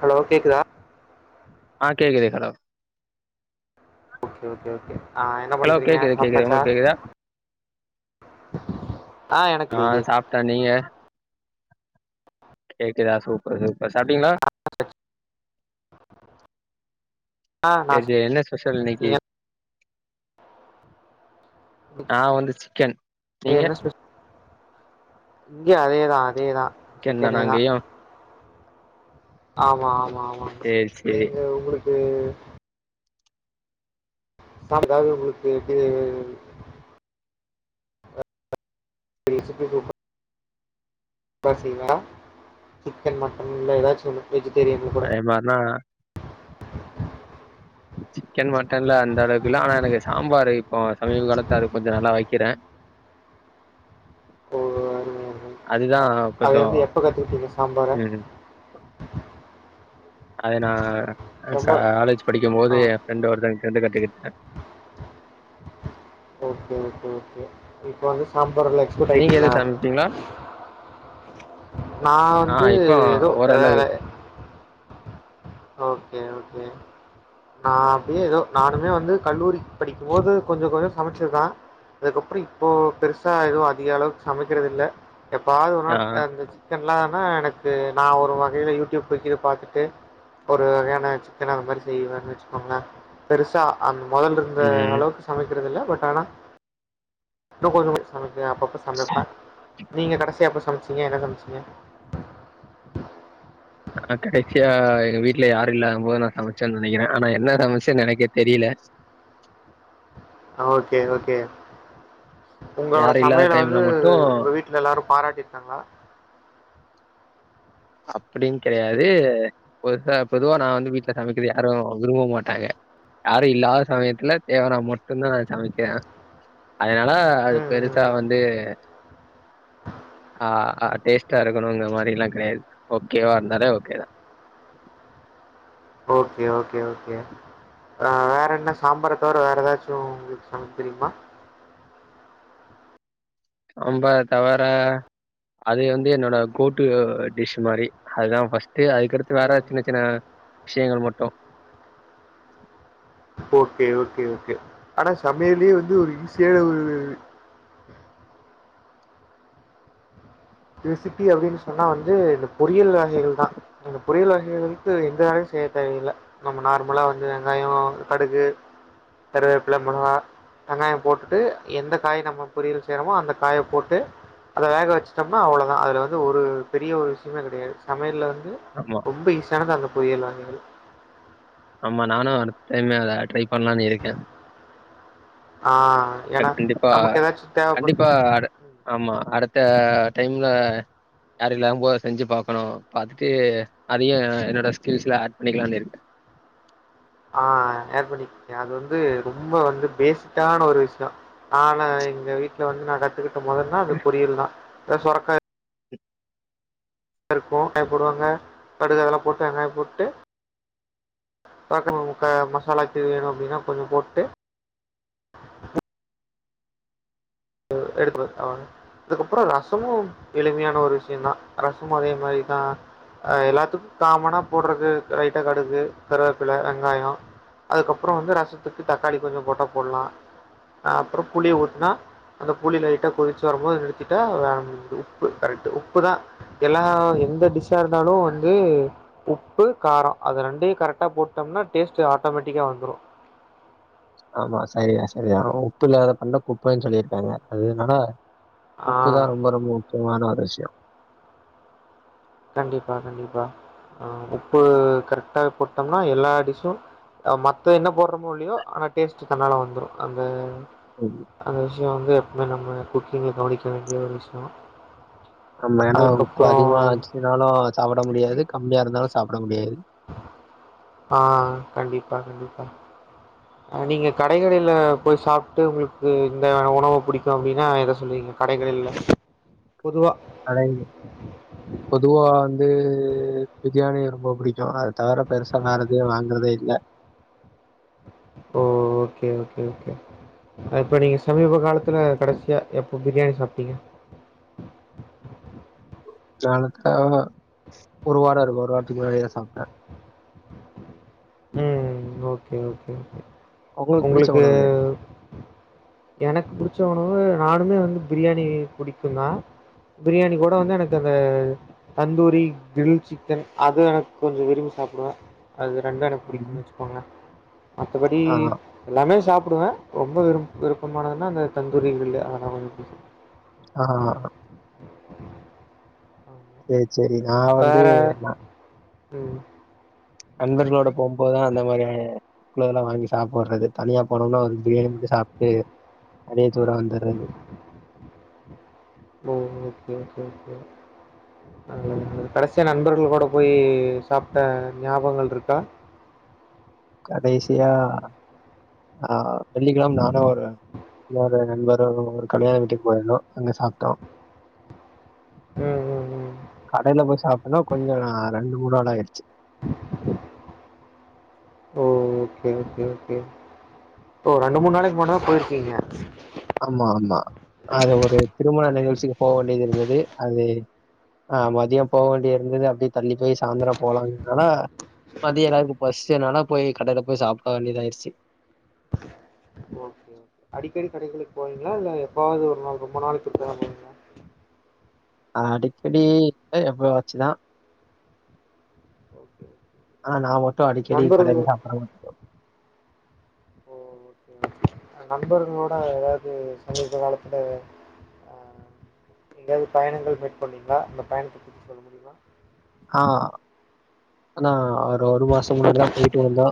Hello கேக்குதா ஆ கேக்குது ஹலோ ஓகே ஓகே ஓகே ஆ என்ன ஹலோ பண்றீங்க கேக்குது கேக்குது சாப்டாச்சா உங்களுக்கு கேக்குதா ஆ சாப்ட்ட நீங்க கேக்குதா சூப்பர் சூப்பர் சாப்ட்டீங்களா ஆ நா செரி என்ன ஸ்பெஷல் இன்னைக்கு நீங்க நா வந்து சிக்கன் நீங்க இங்கயு அதேதா அதேதா சிக்கன் சிக்கனே தானா தா அங்கயு ஆமா ஆமா ஆமா சேரி சேரி நீங்க உங்களுக்கு சாப்டாது உங்களுக்கு இது ரெசிபி சூப்ப ரா செய்வா சிக்கன் மட்டன்ல எதாச்சு ஒன்னு வெஜிடேரியன்ல கூட அதே மார்னா சிக்கன் மட்டன்ல அந்த அளவுக்குல்லா ஆனா எனக்கு சாம்பார் இப்போ சமீப காலத்து அது கொஞ்சோ நல்லா வைக்கிற ஓ வேர எதுவுமில்லை அதுதா அத கொஞ்சோ வந்து எப்ப கத்துக்கிட்டீங்க சாம்பார ம் அது நா கா சாம்பார் காலேஜ் படிக்கு போது ஆ எ ஃப்ரெண்ட் ஒருத்தன் டந்து கத்துகிட்ட ஓகே ஓகே ஓகே இப்ப வந்து சாம் பார்ல எக்ஸ்போட் நீங்க எது ஆயிட்டீங்ளா சமைப்பீங்களா நா ஆ வந்து இப்போ ஏதோ வேல ஓரளவு ஓகே ஓகே நா அப்டியே ஏதோ நானுமே வந்து கல்லூரி படிக்கும்போது கொஞ்சோ கொஞ்சோ சமைச்சதுதா அதுக்கப்றோ இப்போ பெருசா எதுவு அதிக அளவுக்கு சமைக்கிறது இல்ல எப்பாது ஒரு ஆ நாள் நான்வெஜ்ஜு சிக்கன்லானா எனக்கு நா ஒரு வகையில யூடியூப் க்யூடியூப் பாத்துட்டு ஒரு வகையான சிக்கன் அத மாரி செய்வன்னு வெச்சுக்கோங்கள பெருசா அந் மொதல் இருந்த ம் அளவுக்கு சமைக்கிறதில்ல பட் ஆனா இன்னு கொஞ்சோ கொஞ் சமை ப்பே அப்பப்ப சமைப்ப நீங்க கடைசியா எப்ப சமைச்சீங்க என்ன சமைச்சீங்க நா கடைசியா எங்க வீட்ல யாரு இல்லாம் போது நா சமைச்சன்னு நெனைக்கிற ஆனா என்ன சமைச்சன்னு எனக்கே தெரியில அ ஓகே ஓகே உங்ளோட யாரு இல்லாத சமையல டைம்ல வந்து மட்டு உங்க வீட்ல எல்லாரு பாராடிர்க்காங்ளா அப்டின் கெடையாது பொருத்த பொதுவா நான் வந்து வீட்ல சமைக்கிது யாரு விரும்ப மாட்டாங்க யாரு இல்லாத சமயத்துல தேவனா மட்டுந்தான் நான் சமைக்கிற அதுனால அது ம், ம், பெருசா ம். வந்து ஆ அ டேஸ்ட்டா இருக்கணுன்ற மாரிலா கெடுயாது ஓகேவா இருந்தாலே ஓகேதா ஓகே ஓகே ஓகே ஆ வேறென்ன சாம்பார தவற வேற ஏதாச்சு உங்ளுக் சமைக் தெரிமா சாம்பார் தவற அதி வந்து என்னோட கூட்டு டிஷு மாரி அதுதான் ஃபஸ் ட்டு அதுக்கடுத்து வேற ம். சின்ன சின்ன விஷ்யங்கள் மட்டு ஓகே ஓகே ஓகே ஆனா சமையல்யே வந்து ஒரு ஈசியான ஒரு ரெசிபி அப்டின்னு சொன்னா வந்து இந்த பொறியல் வகைகள் தா அந்த பொறியல் வகைகளவைத்து எந்த ரைஸ் செய்ய தேவையில்ல நம்ம நார்முலா வந்து வெங்காயோ கடுகு கருவேப்ல மொளகா வெங்காயோ போட்டுட்டு எந்த காய் நம்ம பொரியல் செய்றமோ அந்த காய போட்டு அத வேக வச் சம்னா அவுளதா அதுல வந்து ஒரு பெரிய ஒரு விஷ்யமே கெடையாது சமையல்ல வந்து ஆமா ரொம்ப ஈசியானது அந்த செய்யலா அந்த மாரி ஆமா நானு அடுத்து டைமு வேற ட்ரை பண்லான் இருக்கே ஆ அது ஏன்னா கண்டிப்பா நமக்கு ஏதாச்சும் தேவைப்பட்டு கண்டிப்பா அடு ஆமா அடுத் த டைம்ல யாரு இல்லா போ செஞ்சு பாக்கணு பாத்துட்டு அதியு என்னோட ஸ்கில்ஸ்ல ஆட் பண்ணிக்கிலான் இருக்க ஆ அப்பிடி அது வந்து ரொம்போ வந்து பேஸிட்டான ஒரு விஷ்யோ ஆன எங்க வீட்ல வந்து நான் கத்துக்கிட்ட மொதல்னா அது பொரியல் தா அ சொரக்காய் இருக்கு காய் போடுவாங்க கடுகு அதெல்லா போட்டு வெங்காயம் போட்டு அதுகப்புறு முட்ட மசாலாக் தேவவேணு அப்டினா கொஞ்சு போட்டுட்டு எடுப்பு அவ்ளதா அதுக்கப்புறோ ரசமு எளிமையான ஒரு விஷ்யந்தா ரசமு அதே மாரிதா அது எல்லாத்துக்கு காமனா போடுறது லைட்டா கடுகு கருவேப்பில வெங்காயோ அதுக்கப்புறோ வந்து ரசத்துக்கு தக்காளி கொஞ்சு போட்டா போட்லா அ அப்புறொ புளி ஊத்துனா அந்த புளி லைட்டா கொதிச்சி வரும்போது நிறுத்திட்டா அ உப்பு கரெக்ட்டு உப்பு தா எல்லா இது எந்த டிஷ்ஸா இருந்தாலு வந்து உப்பு காரோ அது ரெண்டையு கரெக்டா போட்டம்னா டேஸ்ட்டு ஆட்டோ மெட்டிக்கா வந்துரு ஆமா சரிதா சரிதான் உப்பு இல்லாத பண்டொ குப்பைன் சொல்லிருக்காங்க அதுனால ஆ. உப்பு தா ரொம்ப ரொம்ப முக்கியமான ஒரு விஷ்யோ கண்டிப்பா கண்டிப்பா ஆ உப்பு கரெக்டா போட்டம்னா எல்லா டிஷ்ஷு அ மத்த என்ன போட்றோமோ இல்லையோ ஆனா டேஸ்ட்டு தன்னால வந்துரு அந்த ம். அந்த விஷ்யோ வந்து எப்மே நம்ம குக்கிங்ல கவனிக்க வேண்டிய ஒரு விஷ்யோ ஆமா ஏனா உப்பு அதிகுமா ஆச் சினாலு சாப்புட முடியாது கம்மியா இருந்தாலு சாப்புட முடியாது ஆ கண்டிப்பா கண்டிப்பா ஆ நீங்க கடை கடேல போய் சாப்ட்டு உங்குளுக்கு இந்த உணவ புடிக்கு அப்டினா எத சொல்வீங்க கடைகள் இல்ல கடை பொதுவா வந்து பிரியாணி ரொம்பா பிடிக்கு அ தவர பெருசா வேற எதையு வாங்கறதே இல்ல ஓ ஓகே ஓகே ஓகே இப்ப நீங்க சமீப காலத்துல கடைசியா எப்போ பிரியாணி சாப்ட்டீங்க நாலத்த ஆமா ஒரு வார இருக்கு ஒரு வாரத்துக்கு முன்னாடிதா சாப்ட்டே ம் ஓகே ஓகே கே உங்களுக்கு பிடிச்ச ஒங்ளுக்கு உணவு எது? எனக்கு புடிச்ச உணவு நானுமே வந்து பிரியாணி புடிக்குந்தா பிரியாணி கூட வந்து எனக்கு அந்த தந்தூரி கிரில் சிக்கன் அதுவு எனக்கு கொஞ்சம் விரும்பி சாப்பிடுவே அது ரெண்டு எனக்கு ம். புடிக்குனு வச்சுக்கோங்களே மத்தபடி ஆ, எல்லாமே சாப் ப்படுவே ரொம்ப விருப்பமானதுன்னா அந்த தந்தூரி க்ரில்லு ஆமா அதெல்லா கொஞ்ச பிடிக்கும் ஆமா ஆமா. சேரி சேரி நா வந்து வேற ம் நண்பர்களோட போம்போதுதா அந்த மாரி சிலதெல்லா வாங்கி சாப்புறது தனியா போனோம்னா ஒரு பிரியாணி மட்டு சாப்ட்டு அதே ஜூரா வந்துருது ஓ ஓகே ஓகே ஓகே நல்லது நல்லது கடைசிய நண்பர்கள் கூட போயி சாப்ட்ட ஞாபகங்கள் இருக்கா கடைசியா ஆ வெள்ளிக்கெழம நானு ஒரு இன்னொரு நண்பரும் ஒரு கலியாண வீட்டுக்கு போயிருந்தோ அங்க சாப்ட்டோ ம், ம், ம். கடைல போய் சாப் அதா கொஞ்சோ ரெண்டு மூணு நாளா ஆய்ருச்சி ஓ ஓகே ஓகே ஓகே ஓ ரெண்டு மூணு நாளைக் முன்னதா போயிருக்கீங்க ஆமா ஆமா அது ஒரு திருமண நிகழ்ச்சிக்கு போக வேண்டிது இருந்தது அது ஆ மதிய போக வேண்டிய இருந்தது அப்டியே தள்ளி போயி சாந்தர போலாங்கன்றதால மதிய எல்லாருக்கு பசிச்சனால போய் கடைல போய் சாப்ட வேண்டியதாயிடுச்சு ஓகே ஓகே அடிக்கடி கடைகளுக்கு போவீங்களா இல்ல எப்பாவது ஒரு நாள்‌ ரொம்ப நாளைக்கு ஒரு‌ தடவ போவீங்களா அடிக்கடி எப்பவாச்சுதா ஓகே ஆ நா மட்டு அடிக்கடி நண்பர்களோ கடைல சாப்பிட மாட் ஓ ஓகே நண்பர்களோட ஏதாவது சமீப காலத்துல அ எங்கயாவது பயணங்கள் மீட் பண்ணீங்களா இல்ல பயணத்த பத்தி சொல்ல முடியுமா ஆ நா ஒரு ஒரு மாச முன்னாடிதா போய்ட்டு வந்தோ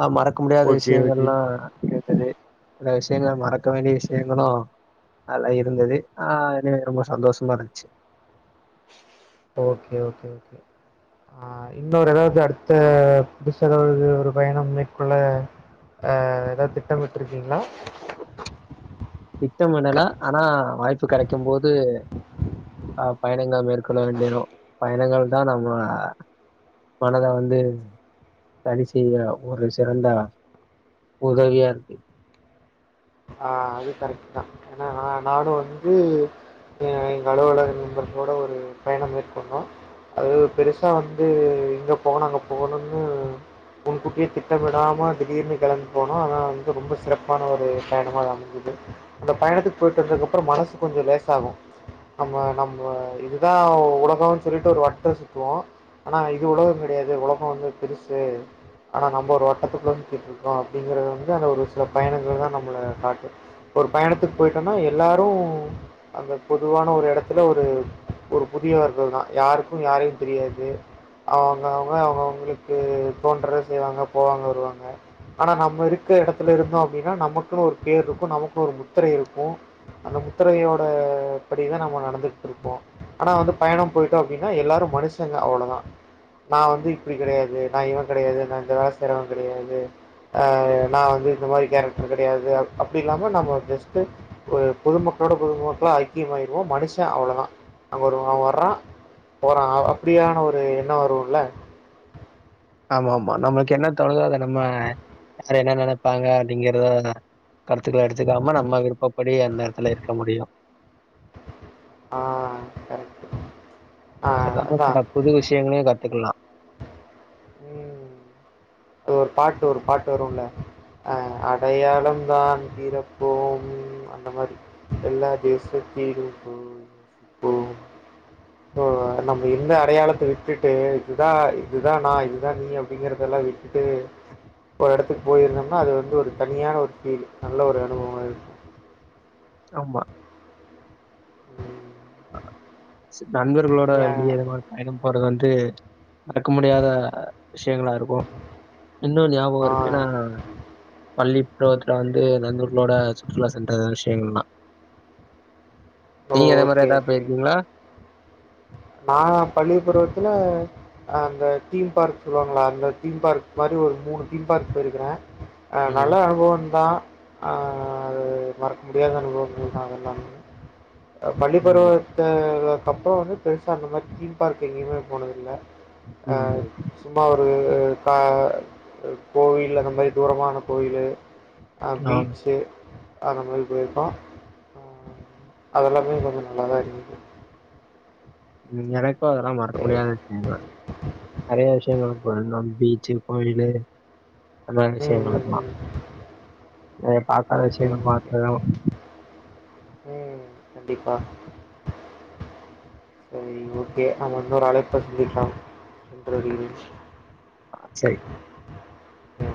ஆ மறக்க முடியாத ஓகே ஓகே. விஷயங்கள்லா இருக்குது சில விஷயங்கள மறக்க வேண்டிய விஷயங்களு நல்லா இருந்தது ஆ என ரொம்ப சந்தோஷமா இருந்ச்சு ஓகே ஓகே ஓகே ஆ இன்னொரு ஏதாவது அடுத்த புதுசா ஏதாவது ஒரு பயணம் மேற்கொள்ள அ எதாது திட்டமிட்ருக்கீங்ளா திட்டமிடல ஆனா வாய்ப்பு கெடைக்கும்போது ஆ பயணங்கள் மேற்கொள்ள வேண்டியதா பயணங்கள்தா நம்ம மனத வந்து வழி செய்ய ஒரு சிறந்த உதவியா இருக்கு ஆ அது கரெக்ட்டுதா ஏன்னா நானு வந்து எ எங்க அலுவலக நண்பர்களோட ஒரு பயணம் மேற்கொண்டோ அது பெருசா வந்து இங்க போணோ அங்க போணும்னு முன்கூட்டியே திட்டமிடாம திடீர்னு கெளம்பி போனோ ஆனா வந்து ரொம்ப சிறப்பான ஒரு பயணமா அமைஞ்சது அந்த பயணத்துக்கு போய்ட்டு வந்ததுக்கு அப்ற மனசு கொஞ்ச லேசாகு ஆமா நம்ம இது தா உலகோ சொல்லிட்டு ஒரு வட்டோ சுத்துவோ ஆனா இது உலகோ கெடயாது உலஹோ வந்து பெருசு ஆனா நம்ப ஒரு வட்டத்துக்குள்ள சுத்திட்ருக்கோ அப்டிங்கறது வந்து அந்த ஒரு சில பயணங்கள் தா நம் மள காட்டு ஒரு பயணத்துக் போய்ட்டோனா எல்லாரு அந்த பொதுவான ஒரு எடத்துல ஒரு ம் ஒரு புதியவர்கள் தா யாருக்கு யாரையு தெரியாது அவுங்கவுங்க அவுங்கவுங்களுக்கு தோன்றத செய்வாங்க போவாங்க வருவாங்க ஆனா நம்ம இருக்கற எடத்துல இருந்தோ அப்டின்னா நமக் குனு ஒரு பேர்ருக்கு நமக்குனு ஒரு முத்திரை இருக்கு அந்த முத்திரையோட படி தா நம்ம நடந்துக்ட்ரு ப்போ ஆனா வந்து பயணோ போய்ட்டோ அப்டினா எல்லாரு மனுஷங்க அவ்ளோ தா நா வந்து இப்டி கெடயாது நா இவ கெடயாது நா இந்த வேல செய்றவங்கெடயாது அ நா வந்து இந்த மாரி கேரக்ட்ரு கெடையாது அ அப்டி இல்லாம நம்ம ஜஸ்ட்டு ஒரு பொதுமக்களோட பொதுமக்களா ஐக்கியமாயிருவோ மனுஷ அவ்ளோ தா அங்க ஒருவ வர்ரா போறா அப்டியான ஒரு எண்ணோ வருல்ல ஆமாமா நமக்கென்ன தோணுதோ அத நம்ம சில என்ன நெனைப்பாங்க அப்டிங்கறத தா கருத்துக்கள எடுத்துக்காம நம்ம ம். விருப்பப்படி அந்த எடத்துல இருக்க முடியு ஆ கரக்ட்டு அதுல்லாம சில புது விஷ்யங்களயு கத்துக்கலா ம் அது ஒரு பாட்டு ஒரு பாட்டு வருல்ல அ அடையாளம் தான் பிறப்போமே ம் அந்த மாரி எல்லா தேசத்திலும் போய் வசிப்போம் போ நம்ம இருந்த அடையாளத்த விட்டுட்டு இது தா இது தா நா இது தா நீ அப்டிங்கறதெல்லா விட்டுட்டு ஒரு எடத்துக்கு போயிருந்தம்னா அது வந்து ஒரு தனியான ஒரு ஃபீலு நல்ல ஒரு அனுபவமா இருக்கு ஆமா ம் ஸ் நண்பர்களோட ஏ வெளிய வ பயணம் போறத் வந்து மறக்க முடியாத விஷ்யங்களா இருக்கு இன்னு ஞாபகோ ஆ இருக்கு நா பள்ளி பருவத்துல வந்து நண்பர்களோட சுற்றுலா சென்ற விஷ்யங்கள்லா ஓ நீங்க அதே மார ஓகே எதா போயிர்க்கீங்களா நாங்க பள்ளி பருவத்துல அந்த தீம் பார்க் சொல்லுவாங்கல்ல அந்த தீம் பார்க் மாதிரி ஒரு மூணு தீம்பார்க் போயிருக்கறே அ ம். நல்ல அனுபவந்தா ஆ அது மறக்க முடியாத அனுபவங்கள் தா அதெல்லாமே ம். பள்ளிப்பருவத்து அதுக்கப்றோ வந்து பெருசா அந்த மாரி தீம் பார்க் எங்கியுமே போனதில்ல அ ம். சும்மா ஒரு அ கா அ கோவில் அந்த மாரி தூரமான கோயிலு அ ஆ. பீச்சு அந்த மாரி போயிர்க்கோ அ அதெல்லாமே கொஞ்சோ நல்லா தா இருந்துது ம் எனக்கு அதெல்லா மறக்க சரி. முடியாத விஷ்யோ தா நெறைய விஷ்யங்கள் அப்றோ இன்னோன் பீச்சு, கோயிலு அந்த மாரி ம். ம், ம், விஷ்யங்களுக்குலா ம். நெறைய பாக்காத ஓகே, விஷ்யங்கள் ஓகே. பாக்கணு ம். கண்டிப்பா ம் ஓகே நாம இன்னோரு அழைப்புல சந்திக்கலா சென்று வருகிறேன் ஆ சேரி ம்.